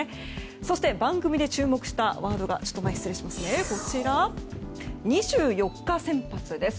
そして、番組で注目したワードが２４日先発です。